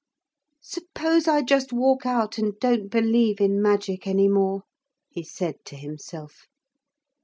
'Suppose I just walk out and don't believe in magic any more?' he said to himself.